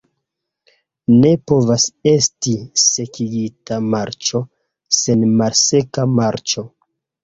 Ne povas esti "sekigita marĉo" sen "malseka marĉo".